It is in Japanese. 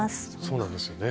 そうなんですよね。